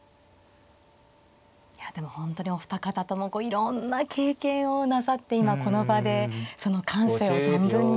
いやでも本当にお二方ともいろんな経験をなさって今この場でその感性を存分に。